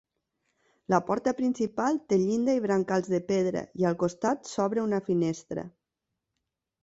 La porta principal té llinda i brancals de pedra i al costat s'obre una finestra.